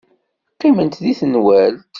Qqiment deg tenwalt.